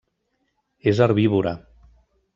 És herbívora.